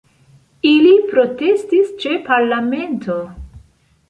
Ili protestis ĉe parlamento.